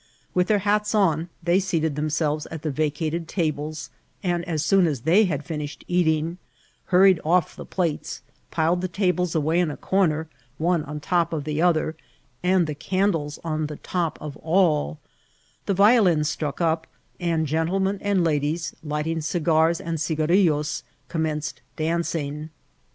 With their hats on, they seated themselves at the vacated ta^ bles, and, as soon as they had finished eating, hurried o£f the plates, piled the tables away in a corner, one on the tc^ of the other, and the candles on the top of all, the violins struck up, and gentlemen and ladies, lighting cigars and cigarillos, commenced dancing.